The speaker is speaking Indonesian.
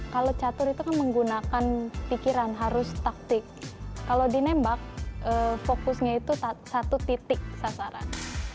kalau catur itu kan menggunakan pikiran harus taktik kalau di nembak fokusnya itu satu titik sasaran